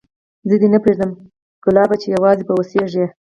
زه دي نه پرېږدم ګلابه چي یوازي به اوسېږې